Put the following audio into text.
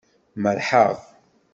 Merrḥeɣ.